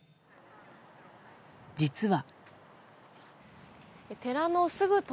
実は。